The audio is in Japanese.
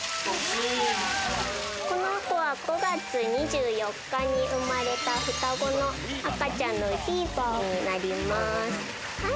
この子は５月２４日に生まれた双子の赤ちゃんのビーバーになります。